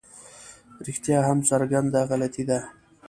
رښتیا هم څرګنده غلطي ده.